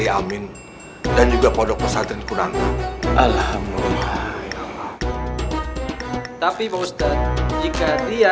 amin dan juga podok pesantren kurang alhamdulillah tapi pak ustadz jika dia